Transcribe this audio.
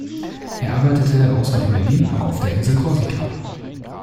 Er arbeitete außer in Berlin auch auf der Insel Korsika.